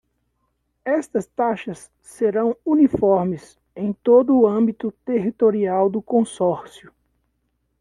Estas taxas serão uniformes em todo o âmbito territorial do Consórcio.